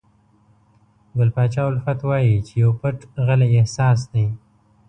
ګل پاچا الفت وایي چې پو پټ غلی احساس دی.